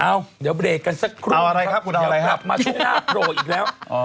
เอาเดี๋ยวเบรกกันซักครู่จะกลับมาชุดหน้าโปร่งอีกแล้ว